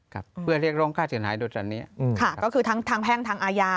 ครับเพื่อเรียกร้องค่าเสียหายโดยตอนนี้อืมค่ะก็คือทั้งทางแพ่งทางอาญา